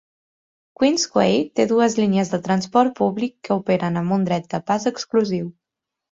Queens Quay té dues línies de transport públic que operen amb un dret de pas exclusiu.